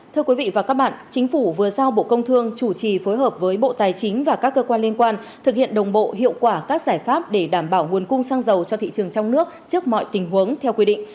thưa quý vị và các bạn chính phủ vừa giao bộ công thương chủ trì phối hợp với bộ tài chính và các cơ quan liên quan thực hiện đồng bộ hiệu quả các giải pháp để đảm bảo nguồn cung xăng dầu cho thị trường trong nước trước mọi tình huống theo quy định